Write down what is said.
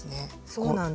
そうなんです。